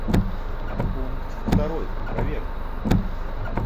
Пункт второй: проверка.